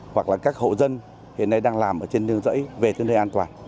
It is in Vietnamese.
hoặc là các hộ dân hiện nay đang làm trên đường rẫy về tương đối an toàn